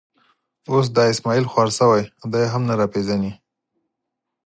اوس دا اسمعیل خوار شوی، دی هم نه را پېژني.